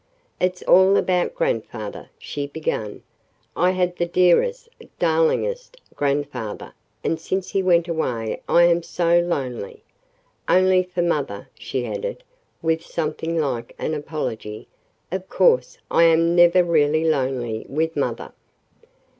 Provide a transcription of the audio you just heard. "It's all about grandfather," she began. "I had the dearest, darlingest grandfather, and since he went away I am so lonely. Only for mother," she added, with something like an apology. "Of course, I am never really lonely with mother."